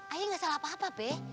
ayah gak salah apa apa be